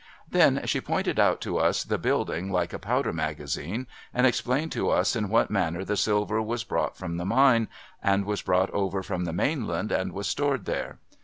Then, she pointed out to us the building like a powder magazine, and explained to us in what manner the silver was brought from the mine, and was brought over from the mainland, and was stored there.